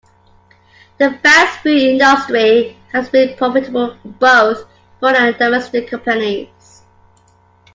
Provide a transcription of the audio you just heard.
The fast-food industry has been profitable for both foreign and domestic companies.